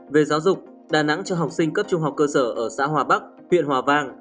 về giáo dục đà nẵng cho học sinh cấp trung học cơ sở ở xã hòa bắc huyện hòa vang